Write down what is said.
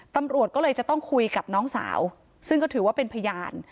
ตำรวจก็เลยจะต้องคุยกับน้องสาวซึ่งก็ถือว่าเป็นพยาน